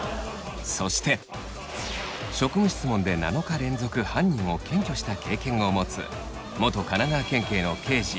そして職務質問で７日連続犯人を検挙した経験を持つ元神奈川県警の刑事